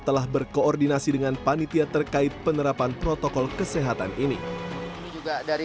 telah berkoordinasi dengan panitia terkait penerapan protokol kesehatan ini juga dari